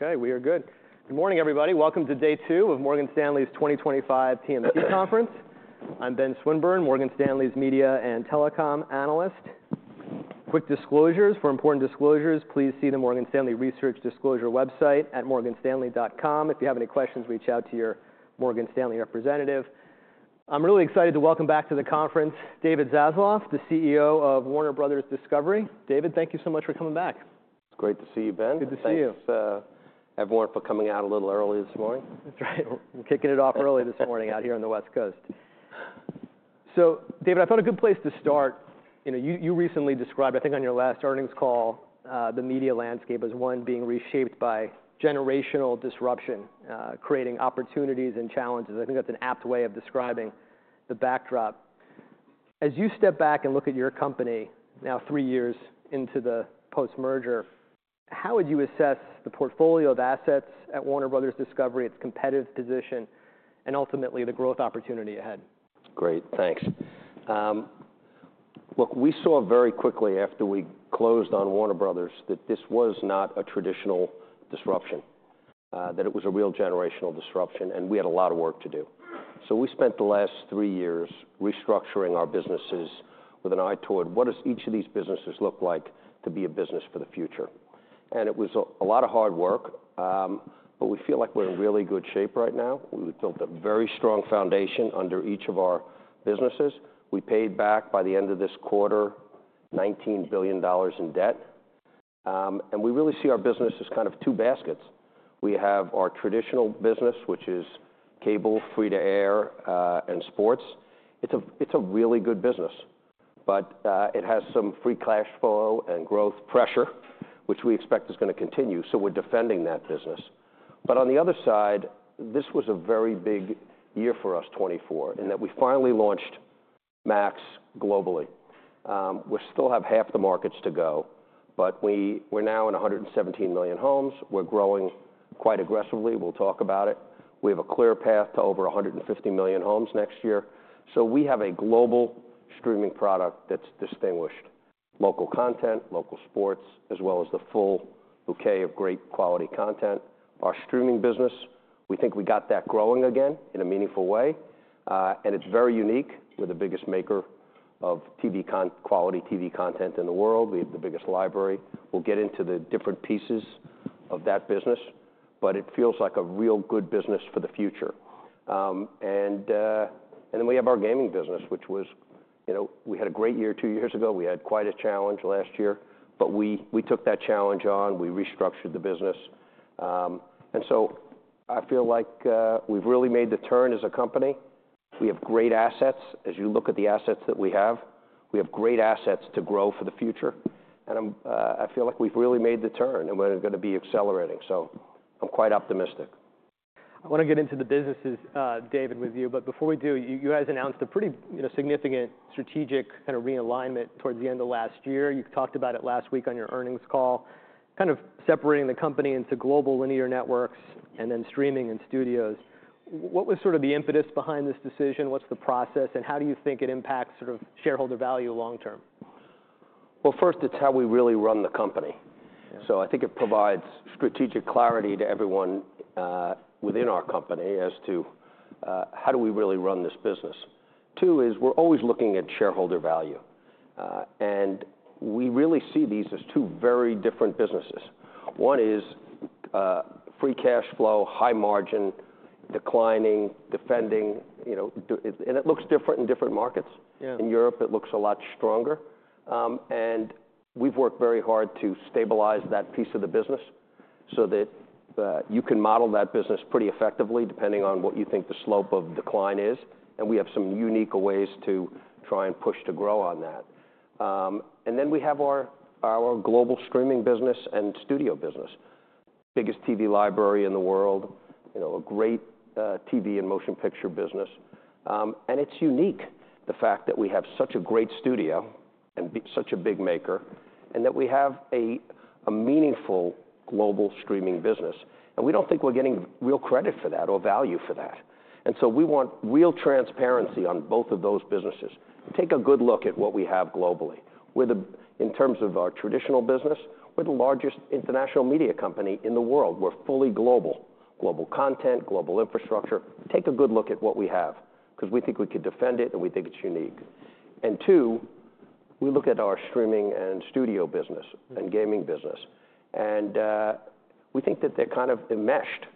Okay, we are good. Good morning, everybody. Welcome to day two of Morgan Stanley's 2025 TMT Conference. I'm Ben Swinburne, Morgan Stanley's media and telecom analyst. Quick disclosures: for important disclosures, please see the Morgan Stanley Research Disclosure website at morganstanley.com. If you have any questions, reach out to your Morgan Stanley representative. I'm really excited to welcome back to the conference David Zaslav, the CEO of Warner Bros. Discovery. David, thank you so much for coming back. It's great to see you, Ben. Good to see you. Thanks, everyone, for coming out a little early this morning. That's right. We're kicking it off early this morning out here on the West Coast. So, David, I thought a good place to start. You recently described, I think on your last earnings call, the media landscape as one being reshaped by generational disruption, creating opportunities and challenges. I think that's an apt way of describing the backdrop. As you step back and look at your company, now three years into the post-merger, how would you assess the portfolio of assets at Warner Bros. Discovery, its competitive position, and ultimately the growth opportunity ahead? Great, thanks. Look, we saw very quickly after we closed on Warner Bros. that this was not a traditional disruption, that it was a real generational disruption, and we had a lot of work to do. So we spent the last three years restructuring our businesses with an eye toward what does each of these businesses look like to be a business for the future. And it was a lot of hard work, but we feel like we're in really good shape right now. We've built a very strong foundation under each of our businesses. We paid back by the end of this quarter $19 billion in debt. And we really see our business as kind of two baskets. We have our traditional business, which is cable, free-to-air, and sports. It's a really good business, but it has some free cash flow and growth pressure, which we expect is going to continue, so we're defending that business, but on the other side, this was a very big year for us 2024 in that we finally launched Max globally. We still have half the markets to go, but we're now in 117 million homes. We're growing quite aggressively. We'll talk about it. We have a clear path to over 150 million homes next year, so we have a global streaming product that's distinguished: local content, local sports, as well as the full bouquet of great quality content. Our streaming business, we think we got that growing again in a meaningful way, and it's very unique. We're the biggest maker of quality TV content in the world. We have the biggest library. We'll get into the different pieces of that business, but it feels like a real good business for the future, and then we have our gaming business, which was, you know, we had a great year two years ago. We had quite a challenge last year, but we took that challenge on. We restructured the business, and so I feel like we've really made the turn as a company. We have great assets. As you look at the assets that we have, we have great assets to grow for the future, and I feel like we've really made the turn, and we're going to be accelerating, so I'm quite optimistic. I want to get into the businesses, David, with you. But before we do, you guys announced a pretty significant strategic kind of realignment towards the end of last year. You talked about it last week on your earnings call, kind of separating the company into global linear networks and then streaming and studios. What was sort of the impetus behind this decision? What's the process, and how do you think it impacts sort of shareholder value long term? First, it's how we really run the company, so I think it provides strategic clarity to everyone within our company as to how do we really run this business. Two is we're always looking at shareholder value, and we really see these as two very different businesses. One is free cash flow, high margin, declining, defending, and it looks different in different markets. In Europe, it looks a lot stronger, and we've worked very hard to stabilize that piece of the business so that you can model that business pretty effectively depending on what you think the slope of decline is, and we have some unique ways to try and push to grow on that, and then we have our global streaming business and studio business, biggest TV library in the world, a great TV and motion picture business. And it's unique, the fact that we have such a great studio and such a big maker, and that we have a meaningful global streaming business. And we don't think we're getting real credit for that or value for that. And so we want real transparency on both of those businesses. Take a good look at what we have globally. In terms of our traditional business, we're the largest international media company in the world. We're fully global: global content, global infrastructure. Take a good look at what we have, because we think we could defend it, and we think it's unique. And two, we look at our streaming and studio business and gaming business. And we think that they're kind of enmeshed.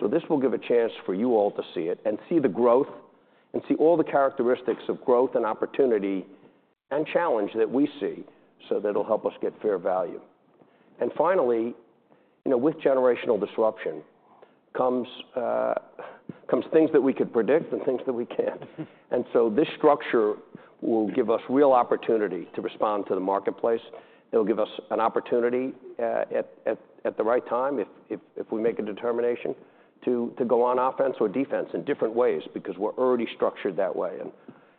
So this will give a chance for you all to see it and see the growth and see all the characteristics of growth and opportunity and challenge that we see, so that it'll help us get fair value. And finally, with generational disruption comes things that we could predict and things that we can't. And so this structure will give us real opportunity to respond to the marketplace. It'll give us an opportunity at the right time, if we make a determination, to go on offense or defense in different ways, because we're already structured that way.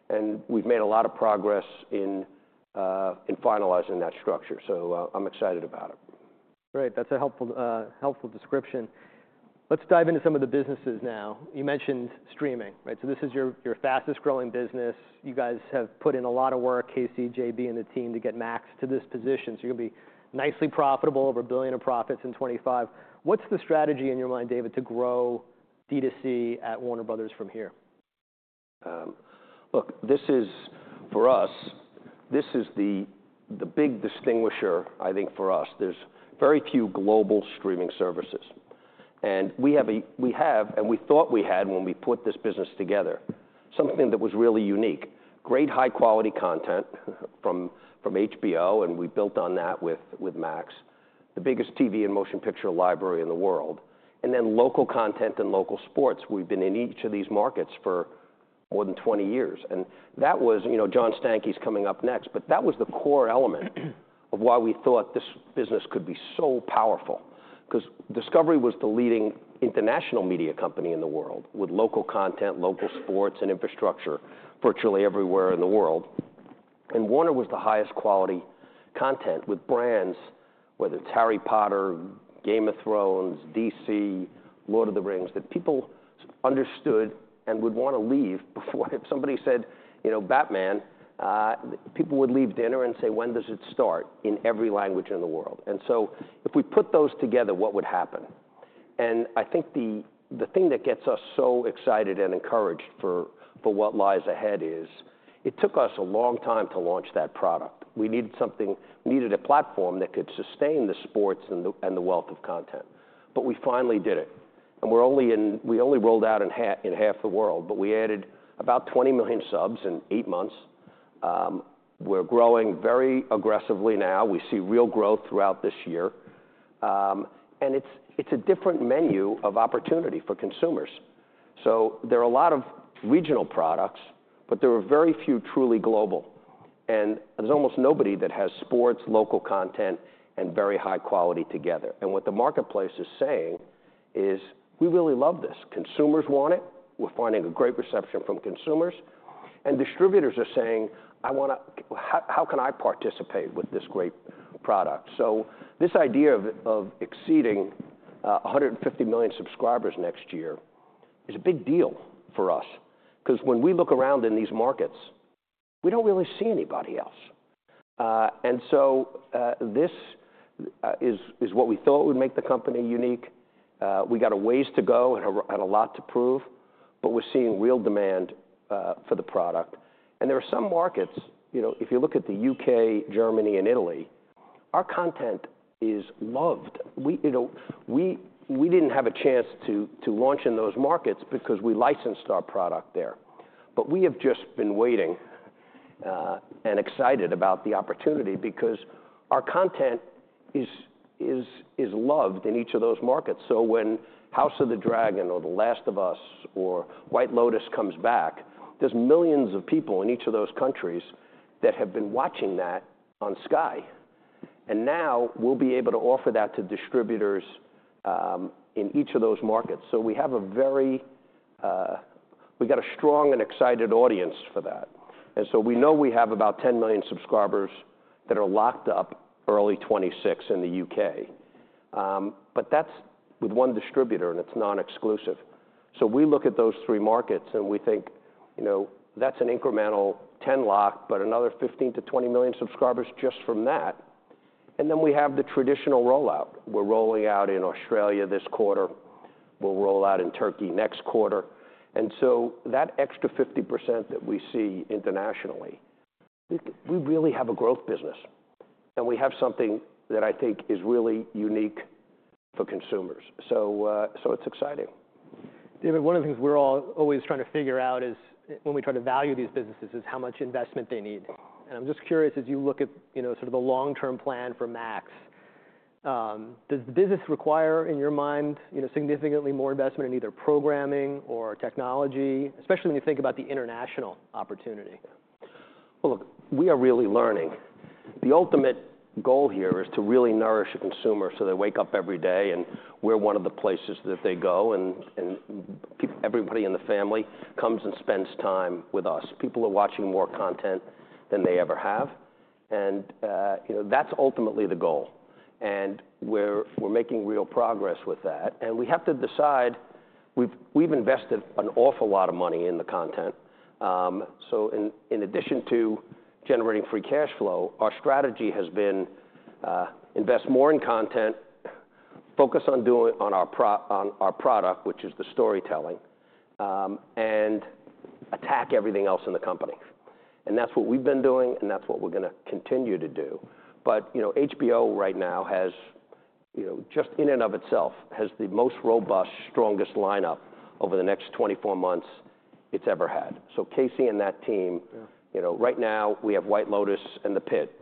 And we've made a lot of progress in finalizing that structure. So I'm excited about it. Great. That's a helpful description. Let's dive into some of the businesses now. You mentioned streaming, right? So this is your fastest growing business. You guys have put in a lot of work, Casey, JB, and the team to get Max to this position. So you're going to be nicely profitable, over $1 billion of profits in 2025. What's the strategy in your mind, David, to grow D2C at Warner Bros. from here? Look, for us, this is the big distinguisher, I think, for us. There's very few global streaming services, and we have, and we thought we had when we put this business together, something that was really unique: great high-quality content from HBO, and we built on that with Max, the biggest TV and motion picture library in the world, and then local content and local sports. We've been in each of these markets for more than 20 years, and John Stankey's coming up next, but that was the core element of why we thought this business could be so powerful, because Discovery was the leading international media company in the world with local content, local sports, and infrastructure virtually everywhere in the world. Warner was the highest quality content with brands, whether it's Harry Potter, Game of Thrones, DC, Lord of the Rings, that people understood and would want to leave before. If somebody said Batman, people would leave dinner and say, "When does it start?" in every language in the world. And so if we put those together, what would happen? And I think the thing that gets us so excited and encouraged for what lies ahead is it took us a long time to launch that product. We needed a platform that could sustain the sports and the wealth of content. But we finally did it. And we only rolled out in half the world, but we added about 20 million subs in eight months. We're growing very aggressively now. We see real growth throughout this year. And it's a different menu of opportunity for consumers. There are a lot of regional products, but there are very few truly global. And there's almost nobody that has sports, local content, and very high quality together. And what the marketplace is saying is, "We really love this. Consumers want it. We're finding a great reception from consumers." And distributors are saying, "How can I participate with this great product?" This idea of exceeding 150 million subscribers next year is a big deal for us, because when we look around in these markets, we don't really see anybody else. And so this is what we thought would make the company unique. We got a ways to go and a lot to prove, but we're seeing real demand for the product. And there are some markets, if you look at the U.K., Germany, and Italy, our content is loved. We didn't have a chance to launch in those markets because we licensed our product there. But we have just been waiting and excited about the opportunity because our content is loved in each of those markets. So when House of the Dragon or The Last of Us or The White Lotus comes back, there's millions of people in each of those countries that have been watching that on Sky. And now we'll be able to offer that to distributors in each of those markets. So we have a very—we got a strong and excited audience for that. And so we know we have about 10 million subscribers that are locked up early 2026 in the U.K. But that's with one distributor, and it's non-exclusive. So we look at those three markets, and we think that's an incremental 10 lock, but another 15-20 million subscribers just from that. Then we have the traditional rollout. We're rolling out in Australia this quarter. We'll roll out in Turkey next quarter. That extra 50% that we see internationally, we really have a growth business. We have something that I think is really unique for consumers. It's exciting. David, one of the things we're always trying to figure out is when we try to value these businesses is how much investment they need. And I'm just curious, as you look at sort of the long-term plan for Max, does the business require, in your mind, significantly more investment in either programming or technology, especially when you think about the international opportunity? Well, look, we are really learning. The ultimate goal here is to really nourish a consumer so they wake up every day and we're one of the places that they go, and everybody in the family comes and spends time with us. People are watching more content than they ever have. And that's ultimately the goal. And we're making real progress with that. And we have to decide. We've invested an awful lot of money in the content. So in addition to generating free cash flow, our strategy has been to invest more in content, focus on our product, which is the storytelling, and attack everything else in the company. And that's what we've been doing, and that's what we're going to continue to do. But HBO right now, just in and of itself, has the most robust, strongest lineup over the next 24 months it's ever had. Casey and that team, right now we have The White Lotus and The Pitt.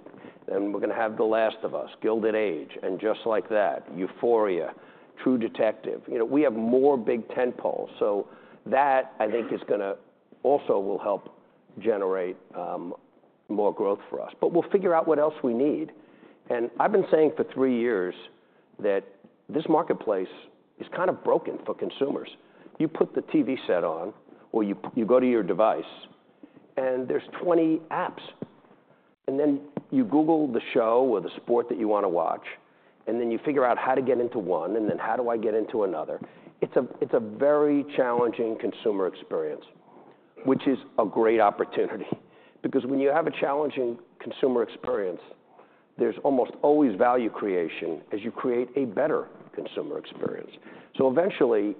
Then we're going to have The Last of Us, The Gilded Age, and And Just Like That..., Euphoria, True Detective. We have more big tentpoles. So that, I think, is going to also help generate more growth for us. But we'll figure out what else we need. And I've been saying for three years that this marketplace is kind of broken for consumers. You put the TV set on, or you go to your device, and there's 20 apps. And then you Google the show or the sport that you want to watch, and then you figure out how to get into one, and then how do I get into another. It's a very challenging consumer experience, which is a great opportunity. Because when you have a challenging consumer experience, there's almost always value creation as you create a better consumer experience. So eventually,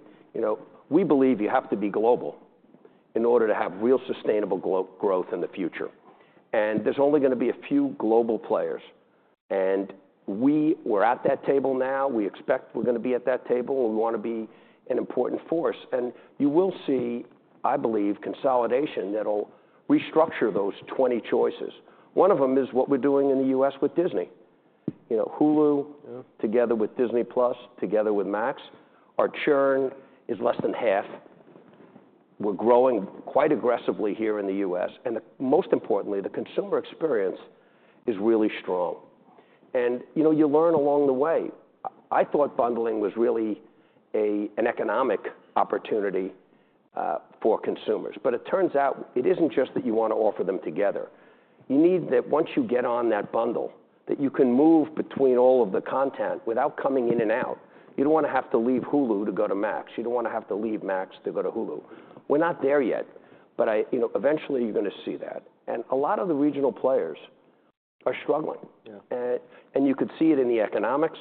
we believe you have to be global in order to have real sustainable growth in the future. And there's only going to be a few global players. And we're at that table now. We expect we're going to be at that table, and we want to be an important force. And you will see, I believe, consolidation that'll restructure those 20 choices. One of them is what we're doing in the U.S. with Disney. Hulu together with Disney+, together with Max. Our churn is less than half. We're growing quite aggressively here in the U.S. And most importantly, the consumer experience is really strong. And you learn along the way. I thought bundling was really an economic opportunity for consumers. But it turns out it isn't just that you want to offer them together. You need that once you get on that bundle, that you can move between all of the content without coming in and out. You don't want to have to leave Hulu to go to Max. You don't want to have to leave Max to go to Hulu. We're not there yet, but eventually you're going to see that. And a lot of the regional players are struggling. And you could see it in the economics.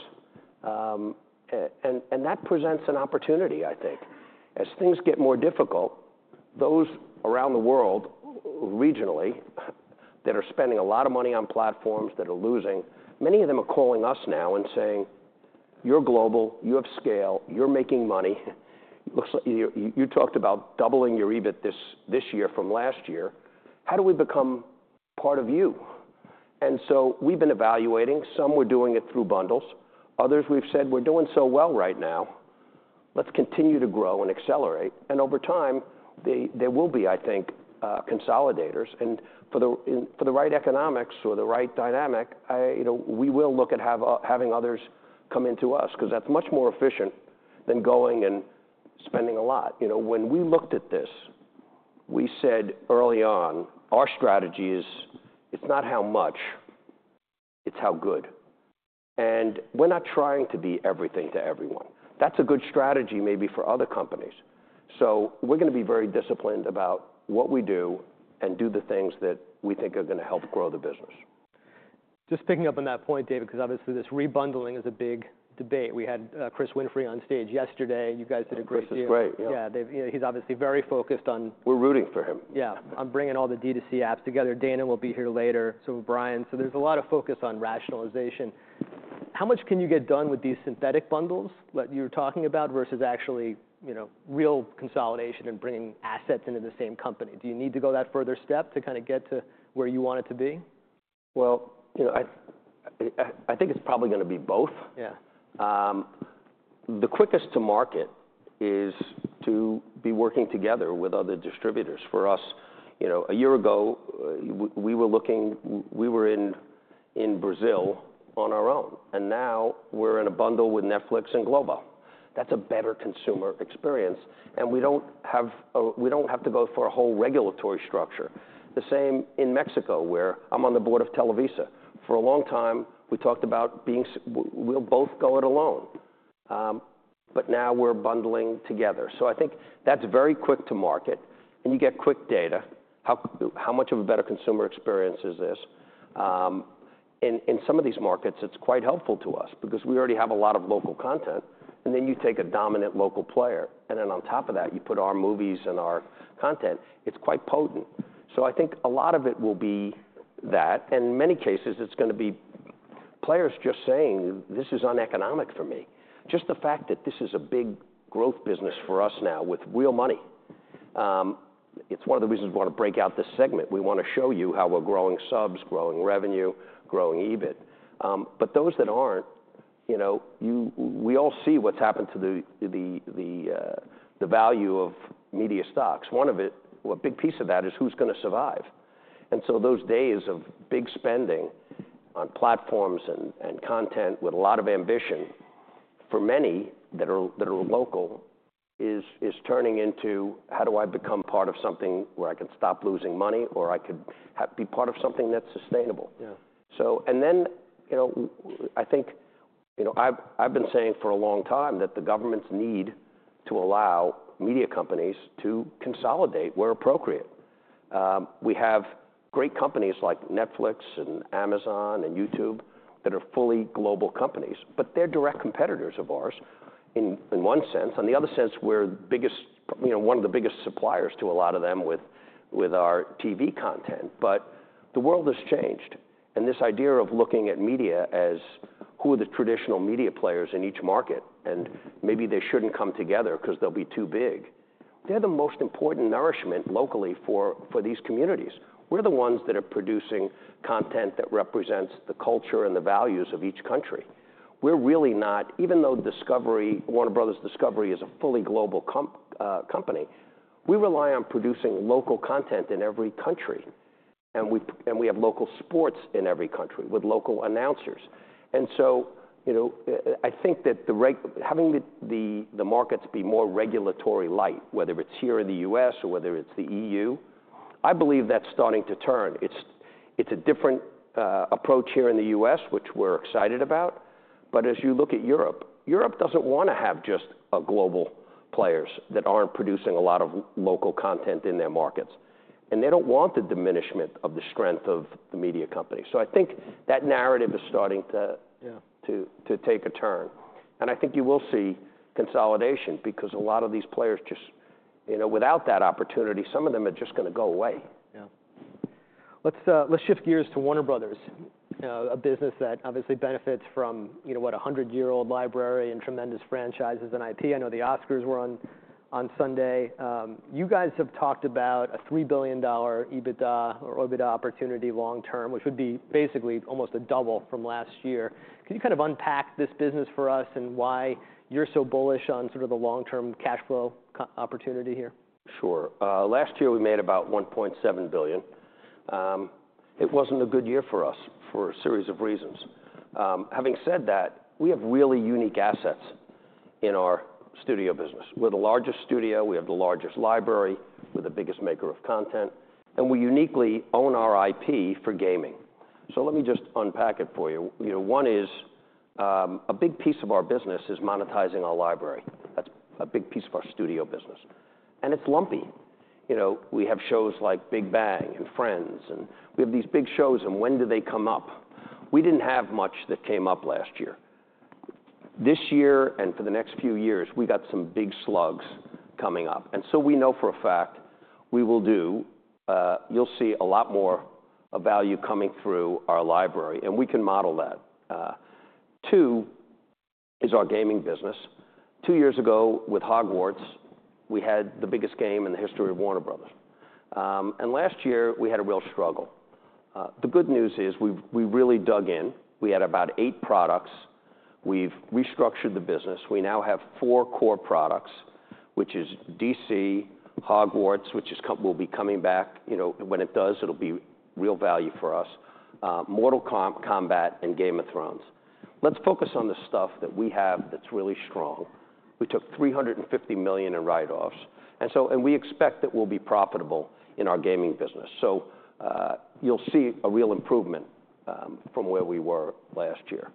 And that presents an opportunity, I think. As things get more difficult, those around the world, regionally, that are spending a lot of money on platforms that are losing, many of them are calling us now and saying, "You're global. You have scale. You're making money. You talked about doubling your EBIT this year from last year. How do we become part of you?" And so we've been evaluating. Some were doing it through bundles. Others, we've said, "We're doing so well right now. Let's continue to grow and accelerate." And over time, there will be, I think, consolidators. And for the right economics or the right dynamic, we will look at having others come into us, because that's much more efficient than going and spending a lot. When we looked at this, we said early on, our strategy is it's not how much, it's how good. And we're not trying to be everything to everyone. That's a good strategy maybe for other companies. So we're going to be very disciplined about what we do and do the things that we think are going to help grow the business. Just picking up on that point, David, because obviously this rebundling is a big debate. We had Chris Winfrey on stage yesterday. You guys did a great deal. Chris is great. Yeah. He's obviously very focused on. We're rooting for him. Yeah. I'm bringing all the D2C apps together. Dana will be here later. So Brian. So there's a lot of focus on rationalization. How much can you get done with these synthetic bundles that you're talking about versus actually real consolidation and bringing assets into the same company? Do you need to go that further step to kind of get to where you want it to be? Well, I think it's probably going to be both. The quickest to market is to be working together with other distributors. For us, a year ago, we were looking, we were in Brazil on our own. And now we're in a bundle with Netflix and Globo. That's a better consumer experience. And we don't have to go for a whole regulatory structure. The same in Mexico, where I'm on the board of Televisa. For a long time, we talked about being, we'll both go it alone. But now we're bundling together. So I think that's very quick to market. And you get quick data. How much of a better consumer experience is this? In some of these markets, it's quite helpful to us, because we already have a lot of local content. And then you take a dominant local player. And then on top of that, you put our movies and our content. It's quite potent. So I think a lot of it will be that. And in many cases, it's going to be players just saying, "This is uneconomic for me." Just the fact that this is a big growth business for us now with real money. It's one of the reasons we want to break out this segment. We want to show you how we're growing subs, growing revenue, growing EBIT. But those that aren't, we all see what's happened to the value of media stocks. One of it, a big piece of that is who's going to survive. And so those days of big spending on platforms and content with a lot of ambition for many that are local is turning into, "How do I become part of something where I can stop losing money, or I could be part of something that's sustainable?" And then I think I've been saying for a long time that the governments need to allow media companies to consolidate where appropriate. We have great companies like Netflix and Amazon and YouTube that are fully global companies, but they're direct competitors of ours in one sense. On the other sense, we're one of the biggest suppliers to a lot of them with our TV content. But the world has changed. And this idea of looking at media as who are the traditional media players in each market, and maybe they shouldn't come together because they'll be too big. They're the most important nourishment locally for these communities. We're the ones that are producing content that represents the culture and the values of each country. We're really not, even though Warner Bros. Discovery is a fully global company, we rely on producing local content in every country. And we have local sports in every country with local announcers. And so I think that having the markets be more regulatory light, whether it's here in the U.S. or whether it's the E.U., I believe that's starting to turn. It's a different approach here in the U.S., which we're excited about. But as you look at Europe, Europe doesn't want to have just global players that aren't producing a lot of local content in their markets. And they don't want the diminishment of the strength of the media company. So I think that narrative is starting to take a turn. I think you will see consolidation, because a lot of these players just, without that opportunity, some of them are just going to go away. Yeah. Let's shift gears to Warner Bros., a business that obviously benefits from, what, a 100-year-old library and tremendous franchises and IP. I know the Oscars were on Sunday. You guys have talked about a $3 billion EBITDA or EBITDA opportunity long term, which would be basically almost a double from last year. Can you kind of unpack this business for us and why you're so bullish on sort of the long-term cash flow opportunity here? Sure. Last year, we made about $1.7 billion. It wasn't a good year for us for a series of reasons. Having said that, we have really unique assets in our studio business. We're the largest studio. We have the largest library. We're the biggest maker of content. And we uniquely own our IP for gaming. So let me just unpack it for you. One is a big piece of our business is monetizing our library. That's a big piece of our studio business. And it's lumpy. We have shows like Big Bang and Friends, and we have these big shows. And when do they come up? We didn't have much that came up last year. This year and for the next few years, we got some big slugs coming up. And so we know for a fact we will do. You'll see a lot more value coming through our library. We can model that. Two is our gaming business. Two years ago with Hogwarts, we had the biggest game in the history of Warner Bros. Last year, we had a real struggle. The good news is we really dug in. We had about eight products. We've restructured the business. We now have four core products, which is DC, Hogwarts, which will be coming back. When it does, it'll be real value for us, Mortal Kombat and Game of Thrones. Let's focus on the stuff that we have that's really strong. We took $350 million in write-offs. We expect that we'll be profitable in our gaming business. You'll see a real improvement from where we were last year.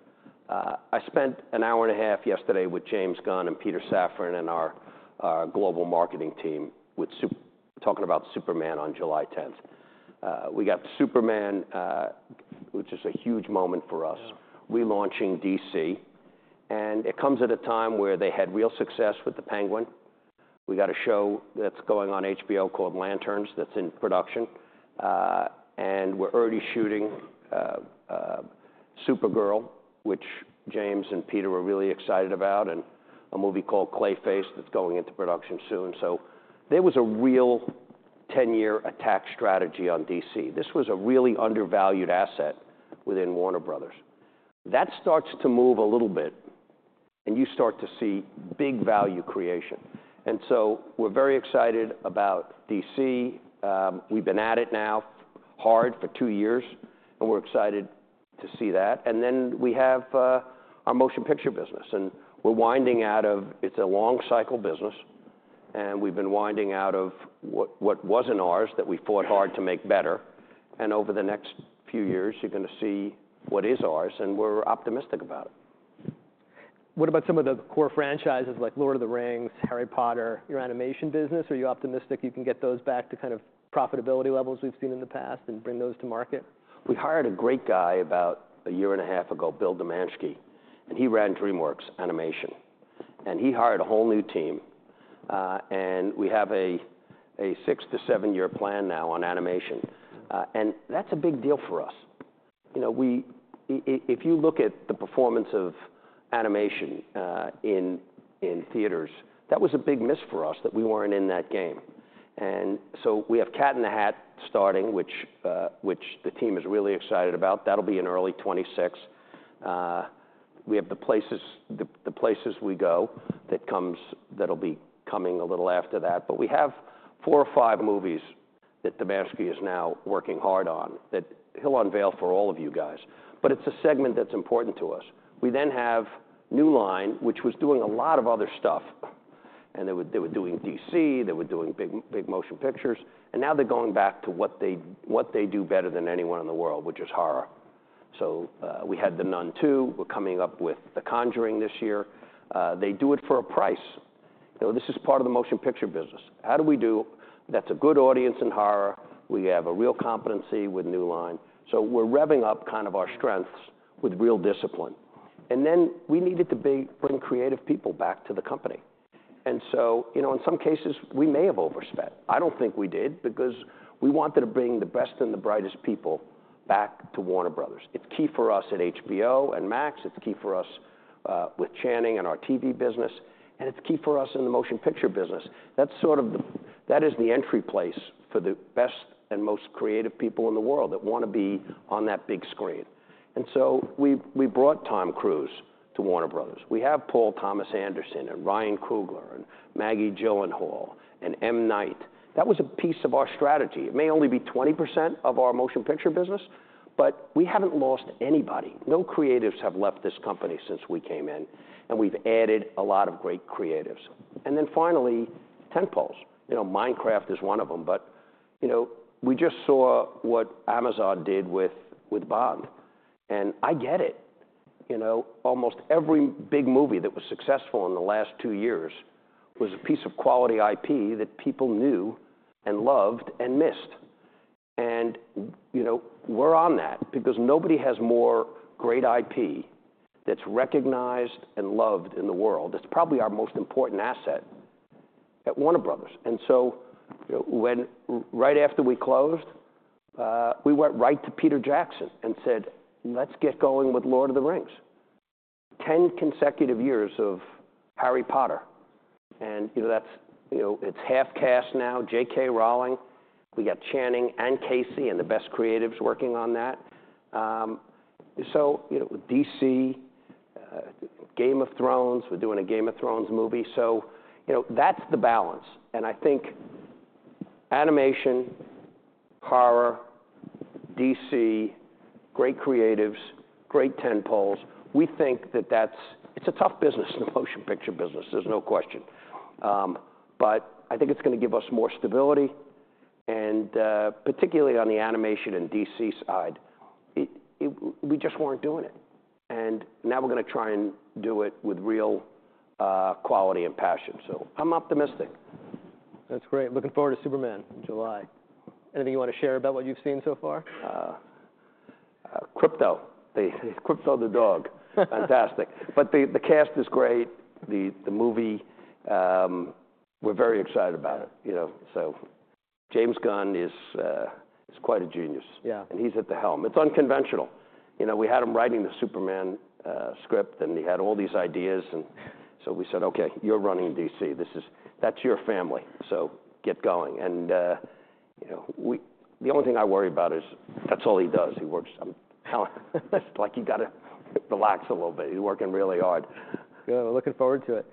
I spent an hour and a half yesterday with James Gunn and Peter Safran and our global marketing team talking about Superman on July 10th. We got Superman, which is a huge moment for us, relaunching DC. And it comes at a time where they had real success with The Penguin. We got a show that's going on HBO called Lanterns that's in production. And we're already shooting Supergirl, which James and Peter are really excited about, and a movie called Clayface that's going into production soon. So there was a real 10-year attack strategy on DC. This was a really undervalued asset within Warner Bros. That starts to move a little bit, and you start to see big value creation. And so we're very excited about DC. We've been at it now hard for two years, and we're excited to see that. And then we have our motion picture business. And we're winding out of it. It's a long-cycle business. And we've been winding out of what wasn't ours that we fought hard to make better. And over the next few years, you're going to see what is ours. And we're optimistic about it. What about some of the core franchises like Lord of the Rings, Harry Potter? Your animation business, are you optimistic you can get those back to kind of profitability levels we've seen in the past and bring those to market? We hired a great guy about a year and a half ago, Bill Damaschke. He ran DreamWorks Animation. He hired a whole new team. We have a six to seven-year plan now on animation. That's a big deal for us. If you look at the performance of animation in theaters, that was a big miss for us that we weren't in that game. We have Cat in the Hat starting, which the team is really excited about. That'll be in early 2026. We have Oh, the Places You'll Go! that'll be coming a little after that. We have four or five movies that Damaschke is now working hard on that he'll unveil for all of you guys. It's a segment that's important to us. We then have New Line, which was doing a lot of other stuff. They were doing DC. They were doing big motion pictures. And now they're going back to what they do better than anyone in the world, which is horror. So we had The Nun II. We're coming up with The Conjuring this year. They do it for a price. This is part of the motion picture business. How do we do that? That's a good audience in horror. We have a real competency with New Line. So we're revving up kind of our strengths with real discipline. And then we needed to bring creative people back to the company. And so in some cases, we may have overspent. I don't think we did, because we wanted to bring the best and the brightest people back to Warner Bros. It's key for us at HBO and Max. It's key for us with Channing and our TV business. And it's key for us in the motion picture business. That's sort of the entry place for the best and most creative people in the world that want to be on that big screen. And so we brought Tom Cruise to Warner Bros. We have Paul Thomas Anderson and Ryan Coogler and Maggie Gyllenhaal and M. Night. That was a piece of our strategy. It may only be 20% of our motion picture business, but we haven't lost anybody. No creatives have left this company since we came in. And we've added a lot of great creatives. And then finally, tentpoles. Minecraft is one of them. But we just saw what Amazon did with Bond. And I get it. Almost every big movie that was successful in the last two years was a piece of quality IP that people knew and loved and missed. We're on that, because nobody has more great IP that's recognized and loved in the world. It's probably our most important asset at Warner Bros. So right after we closed, we went right to Peter Jackson and said, "Let's get going with Lord of the Rings." 10 consecutive years of Harry Potter. It's half cast now, J.K. Rowling. We got Channing and Casey and the best creatives working on that. So DC, Game of Thrones. We're doing a Game of Thrones movie. That's the balance. I think animation, horror, DC, great creatives, great tentpoles. We think that it's a tough business, the motion picture business. There's no question. But I think it's going to give us more stability, particularly on the animation and DC side. We just weren't doing it, and now we're going to try and do it with real quality and passion. So I'm optimistic. That's great. Looking forward to Superman in July. Anything you want to share about what you've seen so far? Krypto. Krypto the dog. Fantastic. But the cast is great. The movie, we're very excited about it. So James Gunn is quite a genius. Yeah, and he's at the helm. It's unconventional. We had him writing the Superman script, and he had all these ideas. And so we said, "OK, you're running DC. That's your family. So get going." And the only thing I worry about is that's all he does. He works like he's got to relax a little bit. He's working really hard. Yeah. We're looking forward to it.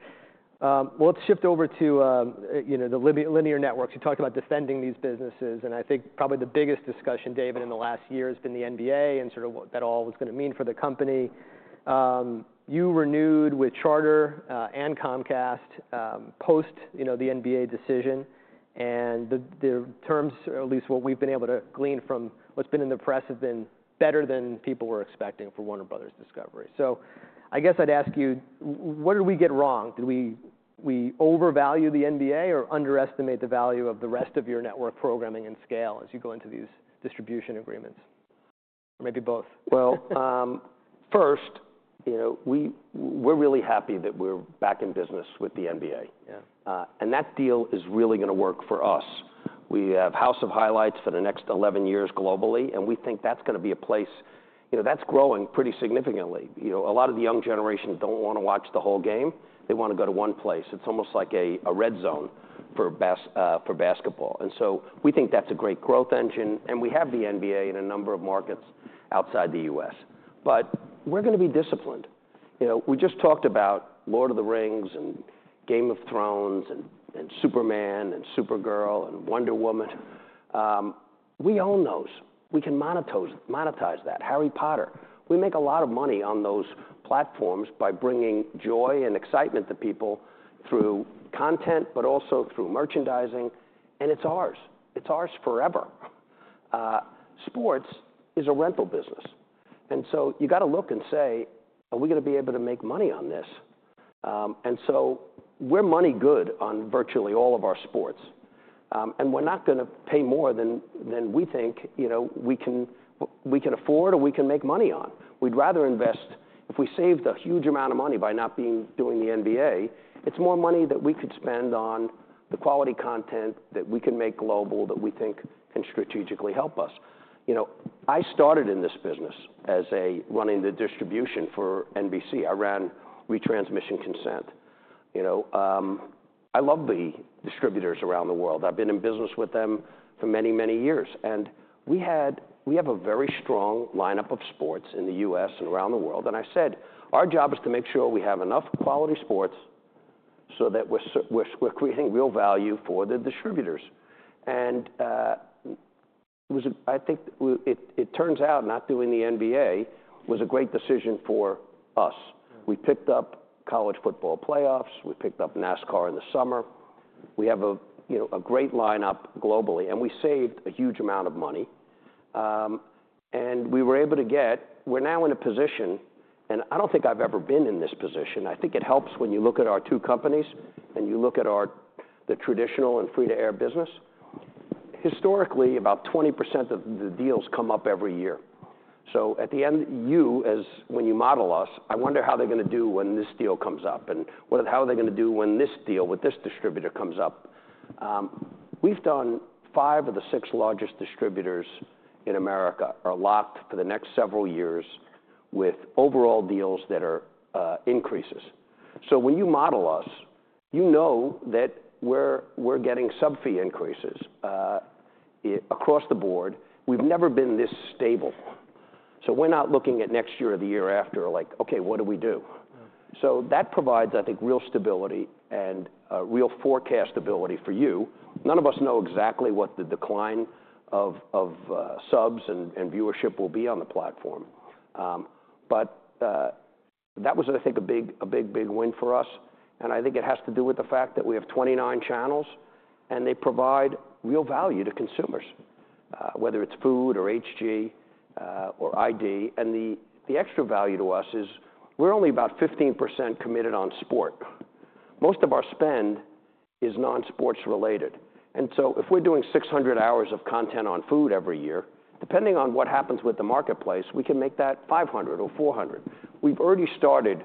Well, let's shift over to the linear networks. You talked about defending these businesses. And I think probably the biggest discussion, David, in the last year has been the NBA and sort of what that all was going to mean for the company. You renewed with Charter and Comcast post the NBA decision. And the terms, or at least what we've been able to glean from what's been in the press, have been better than people were expecting for Warner Bros. Discovery. So I guess I'd ask you, what did we get wrong? Did we overvalue the NBA or underestimate the value of the rest of your network programming and scale as you go into these distribution agreements? Or maybe both. First, we're really happy that we're back in business with the NBA. And that deal is really going to work for us. We have House of Highlights for the next 11 years globally. And we think that's going to be a place that's growing pretty significantly. A lot of the young generation don't want to watch the whole game. They want to go to one place. It's almost like a RedZone for basketball. And so we think that's a great growth engine. And we have the NBA in a number of markets outside the U.S. But we're going to be disciplined. We just talked about Lord of the Rings and Game of Thrones and Superman and Supergirl and Wonder Woman. We own those. We can monetize that. Harry Potter. We make a lot of money on those platforms by bringing joy and excitement to people through content, but also through merchandising. And it's ours. It's ours forever. Sports is a rental business. And so you've got to look and say, "Are we going to be able to make money on this?" And so we're money good on virtually all of our sports. And we're not going to pay more than we think we can afford or we can make money on. We'd rather invest. If we saved a huge amount of money by not doing the NBA, it's more money that we could spend on the quality content that we can make global that we think can strategically help us. I started in this business as running the distribution for NBC. I ran retransmission consent. I love the distributors around the world. I've been in business with them for many, many years, and we have a very strong lineup of sports in the U.S. and around the world, and I said, "Our job is to make sure we have enough quality sports so that we're creating real value for the distributors." And I think it turns out not doing the NBA was a great decision for us. We picked up college football playoffs. We picked up NASCAR in the summer. We have a great lineup globally, and we saved a huge amount of money, and we were able to get we're now in a position, and I don't think I've ever been in this position. I think it helps when you look at our two companies and you look at the traditional and free-to-air business. Historically, about 20% of the deals come up every year. So, at the end, you, when you model us, I wonder how they're going to do when this deal comes up. And how are they going to do when this deal with this distributor comes up? We've done five of the six largest distributors in America are locked for the next several years with overall deals that are increases. So, when you model us, you know that we're getting sub fee increases across the board. We've never been this stable. So, we're not looking at next year or the year after like, "OK, what do we do?" So, that provides, I think, real stability and real forecastability for you. None of us know exactly what the decline of subs and viewership will be on the platform. But that was, I think, a big, big win for us. I think it has to do with the fact that we have 29 channels, and they provide real value to consumers, whether it's Food or HG or ID. The extra value to us is we're only about 15% committed on sports. Most of our spend is non-sports related. If we're doing 600 hours of content on food every year, depending on what happens with the marketplace, we can make that 500 or 400. We've already started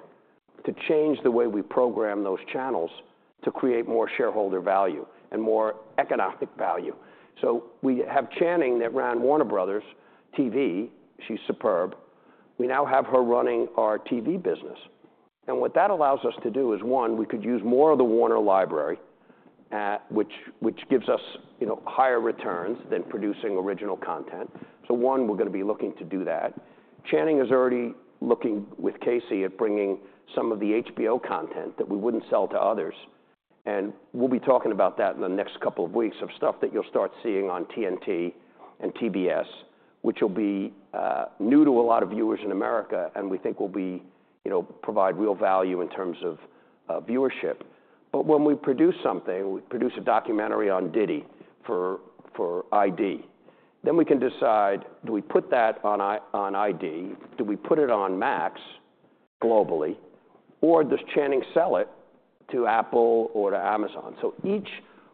to change the way we program those channels to create more shareholder value and more economic value. We have Channing that ran Warner Bros. TV. She's superb. We now have her running our TV business. What that allows us to do is, one, we could use more of the Warner library, which gives us higher returns than producing original content. One, we're going to be looking to do that. Channing is already looking with Casey at bringing some of the HBO content that we wouldn't sell to others. We'll be talking about that in the next couple of weeks of stuff that you'll start seeing on TNT and TBS, which will be new to a lot of viewers in America and we think will provide real value in terms of viewership. But when we produce something, we produce a documentary on Diddy for ID, then we can decide, do we put that on ID? Do we put it on Max globally? Or does Channing sell it to Apple or to Amazon? Each,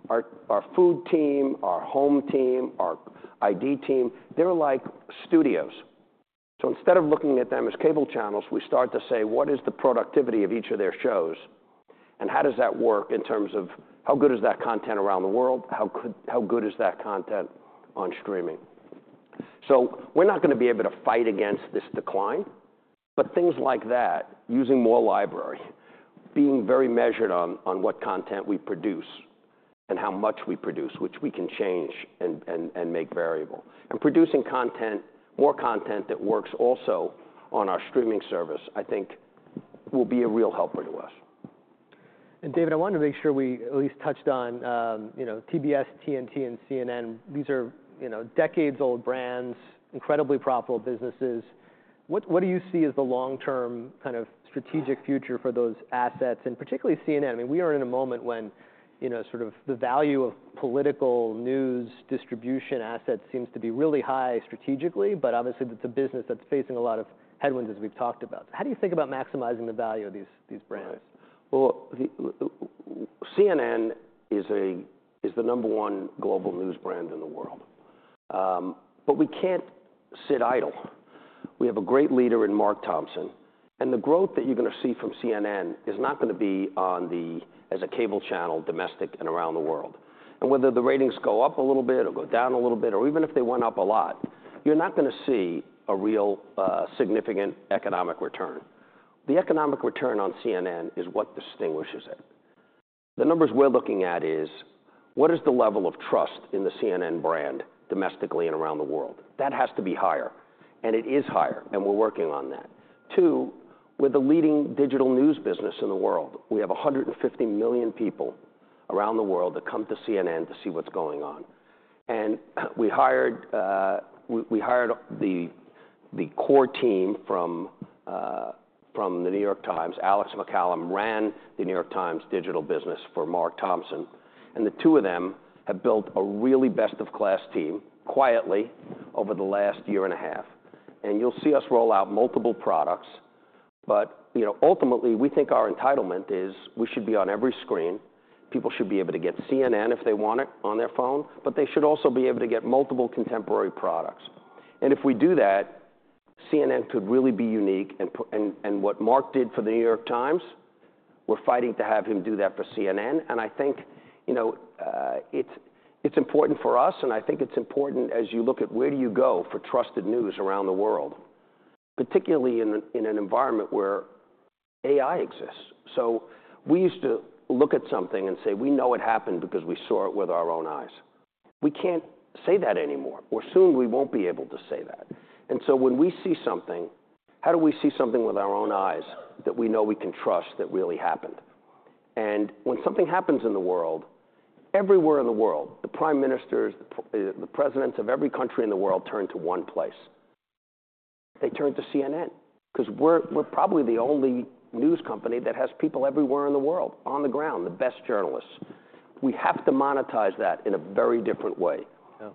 our food team, our home team, our ID team, they're like studios. Instead of looking at them as cable channels, we start to say, what is the productivity of each of their shows? And how does that work in terms of how good is that content around the world? How good is that content on streaming? So we're not going to be able to fight against this decline. But things like that, using more library, being very measured on what content we produce and how much we produce, which we can change and make variable. And producing content, more content that works also on our streaming service, I think will be a real helper to us. David, I wanted to make sure we at least touched on TBS, TNT, and CNN. These are decades-old brands, incredibly profitable businesses. What do you see as the long-term kind of strategic future for those assets? And particularly CNN. I mean, we are in a moment when sort of the value of political news distribution assets seems to be really high strategically. But obviously, it's a business that's facing a lot of headwinds, as we've talked about. So how do you think about maximizing the value of these brands? CNN is the number one global news brand in the world. But we can't sit idle. We have a great leader in Mark Thompson. The growth that you're going to see from CNN is not going to be as a cable channel domestic and around the world. Whether the ratings go up a little bit or go down a little bit, or even if they went up a lot, you're not going to see a real significant economic return. The economic return on CNN is what distinguishes it. The numbers we're looking at is what is the level of trust in the CNN brand domestically and around the world? That has to be higher. It is higher. We're working on that. Two, we're the leading digital news business in the world. We have 150 million people around the world that come to CNN to see what's going on. We hired the core team from The New York Times. Alex MacCallum ran The New York Times digital business for Mark Thompson. The two of them have built a really best-of-class team quietly over the last year and a half. You'll see us roll out multiple products. But ultimately, we think our entitlement is we should be on every screen. People should be able to get CNN if they want it on their phone. But they should also be able to get multiple contemporary products. If we do that, CNN could really be unique. What Mark did for The New York Times, we're fighting to have him do that for CNN. I think it's important for us. I think it's important as you look at where do you go for trusted news around the world, particularly in an environment where AI exists. So we used to look at something and say, we know it happened because we saw it with our own eyes. We can't say that anymore. Or soon, we won't be able to say that. And so when we see something, how do we see something with our own eyes that we know we can trust that really happened? And when something happens in the world, everywhere in the world, the prime ministers, the presidents of every country in the world turn to one place. They turn to CNN because we're probably the only news company that has people everywhere in the world on the ground, the best journalists. We have to monetize that in a very different way.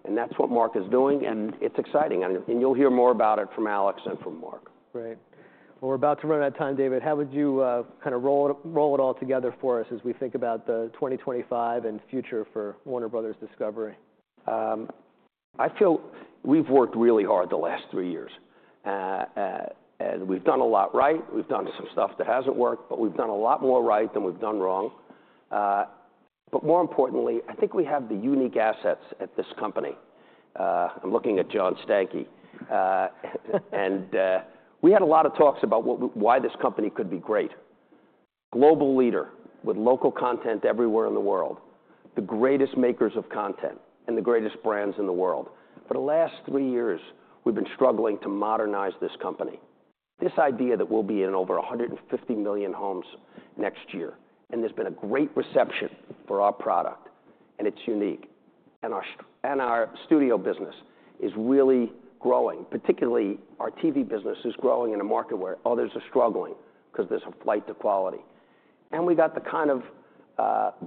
And that's what Mark is doing. And it's exciting. And you'll hear more about it from Alex and from Mark. Right. Well, we're about to run out of time, David. How would you kind of roll it all together for us as we think about the 2025 and future for Warner Bros. Discovery? I feel we've worked really hard the last three years, and we've done a lot right. We've done some stuff that hasn't worked, but we've done a lot more right than we've done wrong, but more importantly, I think we have the unique assets at this company. I'm looking at John Stankey, and we had a lot of talks about why this company could be great. Global leader with local content everywhere in the world, the greatest makers of content and the greatest brands in the world. For the last three years, we've been struggling to modernize this company. This idea that we'll be in over 150 million homes next year, and there's been a great reception for our product, and it's unique, and our studio business is really growing, particularly our TV business is growing in a market where others are struggling because there's a flight to quality. We've got the kind of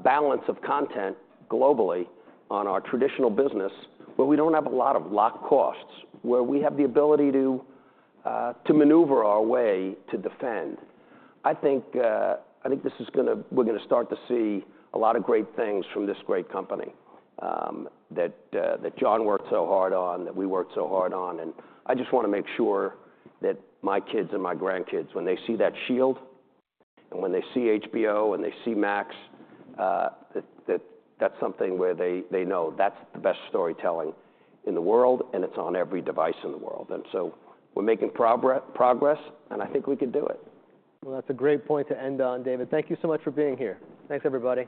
balance of content globally on our traditional business where we don't have a lot of locked costs, where we have the ability to maneuver our way to defend. I think we're going to start to see a lot of great things from this great company that John worked so hard on, that we worked so hard on. I just want to make sure that my kids and my grandkids, when they see that shield and when they see HBO and they see Max, that's something where they know that's the best storytelling in the world. It's on every device in the world. So we're making progress. I think we can do it. Well, that's a great point to end on, David. Thank you so much for being here. Thanks, everybody.